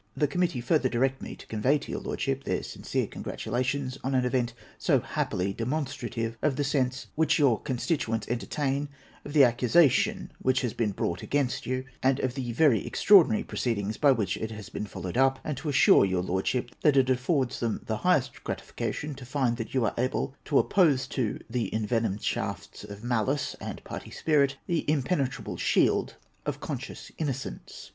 Tlie Committee further direct me to convey to your Lordship their sincere congratulations on an event so happily demonstrative of the sense which your con stituents entertain of the accusation which has been brought against you, and of the very extraordinary irroceedlngs by which it has been folloived up ; and to assure your Lordship that it affords them the highest gratification to find that you are able to oppose to the envenomed shafts of malice and party spirit the impenetrable shield of conscious innocence.